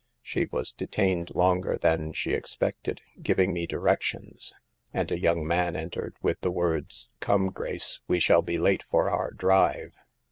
She was detained longer than she expected, giving me directions, and a young man en tered, with the words, " Come, Grace, we shall be late for our drive."